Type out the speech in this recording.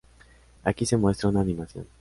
Aquí se muestra una animación.